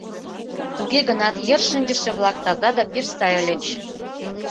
Туге гынат йыр шинчыше-влак таза да пеш сай ыльыч.